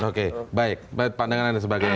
oke baik pandangan anda sebagai